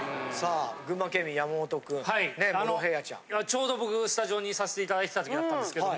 ちょうど僕スタジオにいさせていただいてた時だったんですけど。